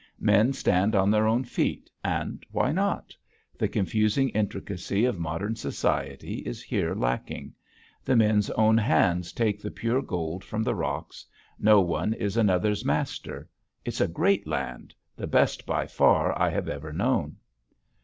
Men stand on their own feet and why not? The confusing intricacy of modern society is here lacking. The men's own hands take the pure gold from the rocks; no one is another's master. It's a great land the best by far I have ever known.